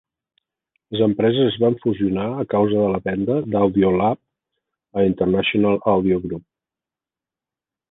Les empreses es van fusionar a causa de la venda d'Audiolab a International Audio Group.